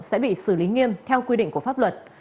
sẽ bị xử lý nghiêm theo quy định của pháp luật